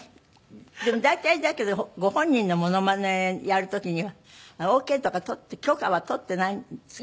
でも大体だけどご本人のモノマネやる時にはオーケーとか許可は取ってないんですか？